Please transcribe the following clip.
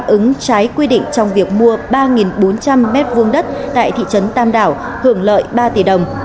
ứng trái quy định trong việc mua ba bốn trăm linh m hai đất tại thị trấn tam đảo hưởng lợi ba tỷ đồng